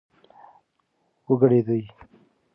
و کړېدی .